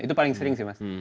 itu paling sering sih mas